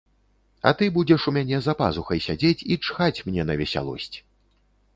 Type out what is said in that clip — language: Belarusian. А ты будзеш у мяне за пазухай сядзець і чхаць мне на весялосць.